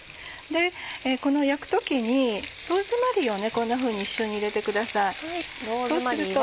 この焼く時にローズマリーをこんなふうに一緒に入れてください。